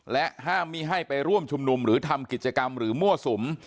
และห้ามมีให้ไปร่วมชุมนุมหรือทำกิจกรรมหรือมั่วสุม